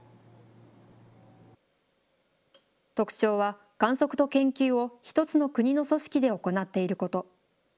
特徴は、観測と研究を一つの国の組織で行っていること。